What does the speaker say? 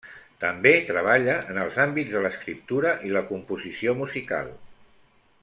També treballa en els àmbits de l’escriptura i la composició musical.